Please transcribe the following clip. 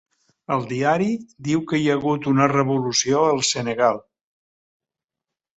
El diari diu que hi ha hagut una revolució al Senegal.